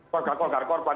kau agak korban